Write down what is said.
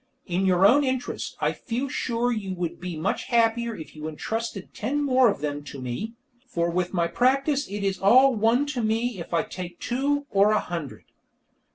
In your own interest, I feel sure you would be much happier if you entrusted ten more of them to me, for with my practice it is all one to me if I take two or a hundred."